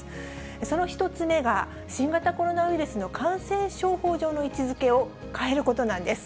その１つ目が、新型コロナウイルスの感染症法上の位置づけを変えることなんです。